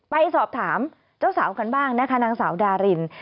ไปสอบถามเจ้าสาวกันบ้างนะคะนางสาวดาริน